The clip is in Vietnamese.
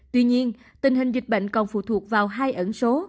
tuy nhiên tình hình dịch bệnh còn phụ thuộc vào hai ẩn số